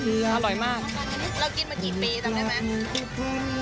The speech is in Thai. เรากินมากี่ปีจำได้ไหม